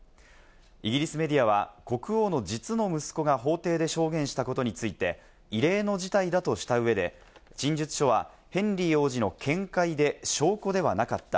イギリスメディアは、国王の実の息子が法廷で証言したことについて、異例の事態だとした上で、陳述書はヘンリー王子の見解で、証拠ではなかった。